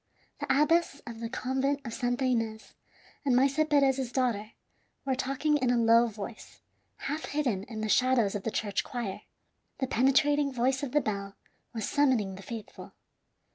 The abbess of the Convent of Santa Ines and Maese Perez's daughter were talking in a low voice, half hidden in the shadows of the church choir. The penetrating voice of the bell was summoning the faithful.